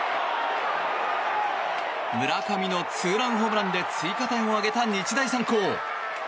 村上のツーランホームランで追加点を挙げた日大三高。